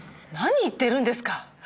何言ってるんですか！